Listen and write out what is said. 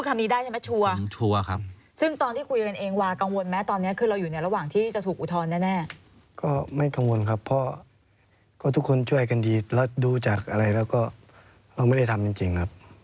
ไม่กังวลครับเพราะทุกคนช่วยกันดีแล้วดูจากอะไรแล้วก็เราไม่ได้ทำจริงครับ